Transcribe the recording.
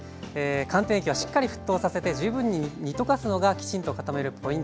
寒天液はしっかり沸騰させて十分に煮溶かすのがきちんと固めるポイント。